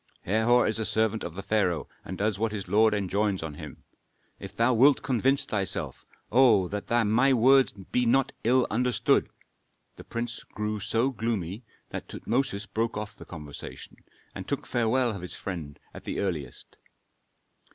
Herhor is a servant of the pharaoh and does what his lord enjoins on him. If thou wilt convince thyself oh, that my words be not ill understood " The prince grew so gloomy that Tutmosis broke off the conversation and took farewell of his friend at the earliest.